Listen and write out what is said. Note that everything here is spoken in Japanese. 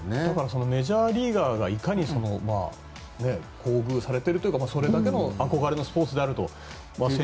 だから、メジャーリーガーがいかに厚遇されているというかそれだけの憧れのスポーツであると。